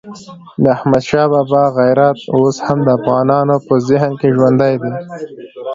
د احمدشاه بابا غیرت اوس هم د افغانانو په ذهن کې ژوندی دی.